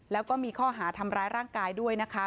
แล้วก็มีข้อหาทำร้ายร่างกายด้วยนะคะ